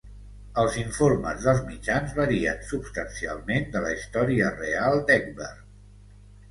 Els informes dels mitjans varien substancialment de la història real d"Egbert.